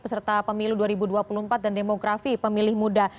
peserta pemilu dua ribu dua puluh empat dan demografi pemilih muda